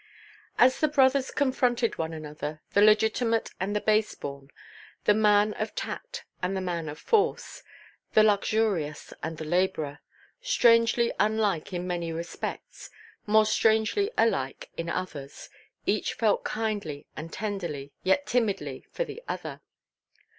As the brothers confronted one another, the legitimate and the base–born, the man of tact and the man of force, the luxurious and the labourer, strangely unlike in many respects, more strangely alike in others; each felt kindly and tenderly, yet timidly, for the other.